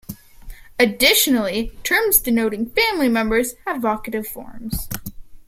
Additionally, terms denoting family members have vocative forms.